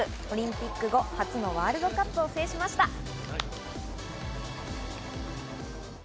オリンピック後、初のワールドカップを制しました。